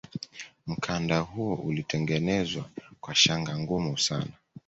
mkanda huo ulitengenezwa kwa shanga ngumu sana